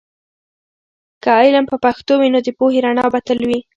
که علم په پښتو وي، نو د پوهې رڼا به تل وي.